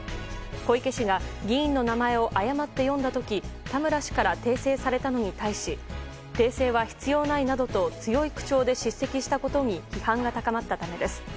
小池氏が議員の名前を誤って読んだ時田村氏から訂正されたのに対し訂正は必要ないなどと強い口調で叱責したことに批判が高まったためです。